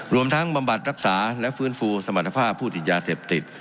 รวมทั้งบำบัดรักษาและฟื้นฟูสมรรถภาพผู้ติดยาเสพติด